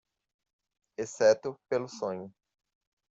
exceto pelo sonho.